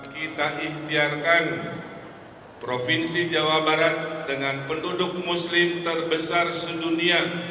kita ikhtiarkan provinsi jawa barat dengan penduduk muslim terbesar sedunia